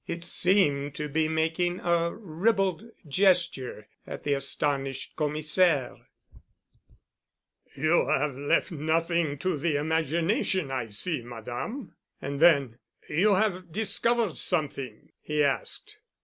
It seemed to be making a ribald gesture at the astonished Commissaire. "You have left nothing to the imagination, I see, Madame." And then, "You have discovered something?" he asked.